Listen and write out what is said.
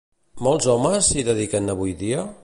Molts homes s'hi dediquen avui dia?